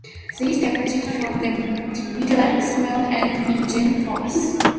These departed from the Midland's small engine policy.